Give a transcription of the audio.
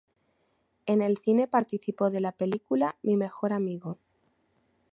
En cine participó de la película Mi mejor enemigo.